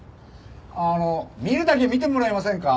あの見るだけ見てもらえませんか？